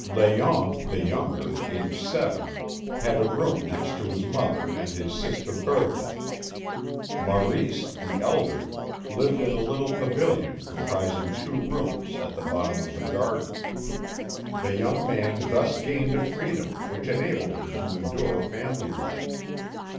Léon, the younger, aged seven, had a room next to his mother and his sister Berthe. Maurice, the elder, lived in a little pavilion comprising two rooms at the bottom of the garden. The young man thus gained a freedom which enabled him to endure family life.